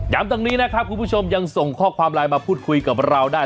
ตรงนี้นะครับคุณผู้ชมยังส่งข้อความไลน์มาพูดคุยกับเราได้